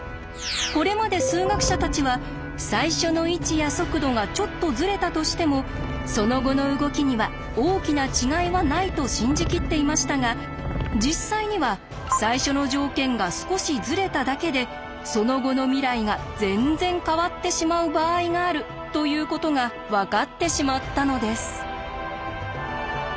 これまで数学者たちは最初の位置や速度がちょっとズレたとしてもその後の動きには大きな違いはないと信じきっていましたが実際には最初の条件が少しズレただけでその後の未来が全然変わってしまう場合があるということが分かってしまったのです。